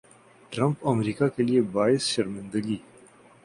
Trump America کیلئے باعث شرمندگی